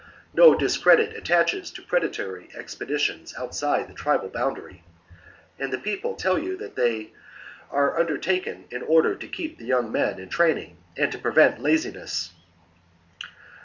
No discredit attaches to predatory expeditions out side the tribal boundary ; and the people tell you that they are undertaken in order to keep the young men in training and to prevent laziness.